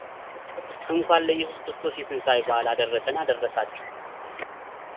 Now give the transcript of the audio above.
እንኳን ለኢየሱስ ክርስቶስ የትንሣኤ በዓል አደረሰን አደረሳችሁ